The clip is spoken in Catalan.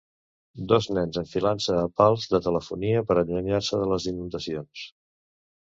Dos nens enfilant-se a pals de telefonia per allunyar-se de les inundacions.